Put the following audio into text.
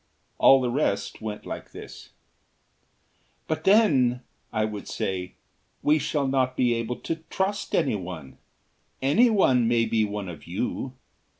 All the rest went like this: "But then," I would say ... "we shall not be able to trust anyone. Anyone may be one of you...."